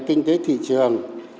kinh tế thị trường